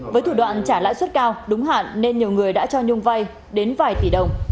với thủ đoạn trả lãi suất cao đúng hạn nên nhiều người đã cho nhung vay đến vài tỷ đồng